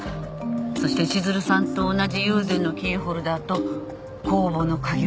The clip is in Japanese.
そして千鶴さんと同じ友禅のキーホルダーと工房の鍵を付けた。